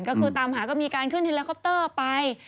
ก็คือตามหาก็มีการขึ้นเฮลิคอปเตอร์ไป